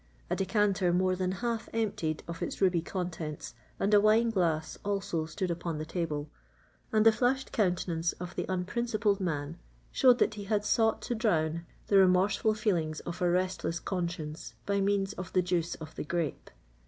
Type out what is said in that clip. A decanter more than half emptied of its ruby contents, and a wine glass also stood upon the table; and the flushed countenance of the unprincipled man showed that he had sought to drown the remorseful feelings of a restless conscience by means of the juice of the grape.